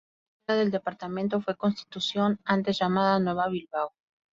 La cabecera del departamento fue Constitución, antes llamada Nueva Bilbao.